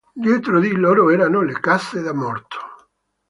Dietro di loro erano le casse da morto.